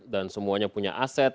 dan semuanya punya aset